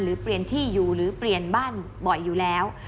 หรือเปลี่ยนที่อยู่หรือเปลี่ยนบ้านบ่อยอยู่แล้ว